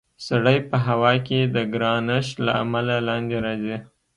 سړی په هوا کې د ګرانش له امله لاندې راځي.